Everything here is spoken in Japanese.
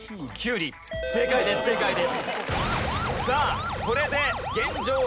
さあこれで現状